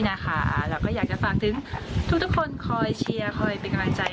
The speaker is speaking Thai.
เราก็อยากจะฝากถึงทุกคนคอยเชียร์คอยเป็นกำลังใจ